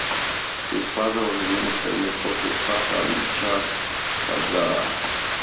His father was a minister in the court of Fath-Ali Shah Qajar.